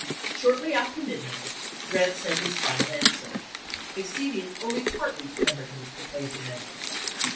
Shortly after midnight Grant sent his final answer, acceding only partly to Pemberton's proposed amendment.